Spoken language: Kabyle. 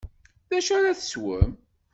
D acu ara teswem?